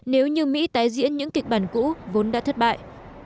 nếu như mỹ tái diễn những kịch bản cũ vốn đã thất bại